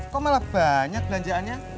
kok malah banyak belanjaannya